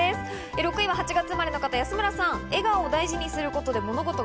６位は８月生まれの方、安村さん。